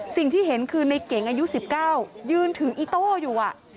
สิ่งที่เห็นคือในเก๋งอายุ๑๙ยืนถืออีโต้อยู่